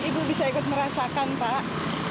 ibu bisa ikut merasakan pak